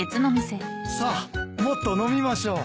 さあもっと飲みましょう。